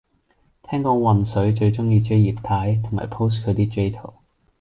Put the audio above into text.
聽講渾水最鍾意 J 葉太，同埋 post 佢啲 J 圖